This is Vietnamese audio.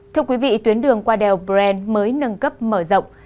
thưa quý vị tuyến đường qua đèo bren mới nâng cấp mở rộng